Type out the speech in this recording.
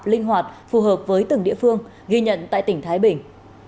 linh hoạt phù hợp với từng địa phương ghi nhận tại tỉnh thái bình